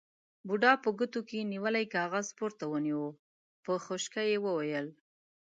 بوډا په ګوتو کې نيولی کاغذ پورته ونيو، په خشکه يې وويل: